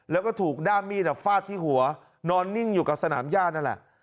แล้วก็ถูกด้ามมีดฟาดที่หัวนอนนิ่งอยู่กับสนามย่านั่นแหละ